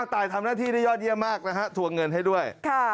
ตายทำหน้าที่ได้ยอดเยี่ยมมากนะฮะทวงเงินให้ด้วย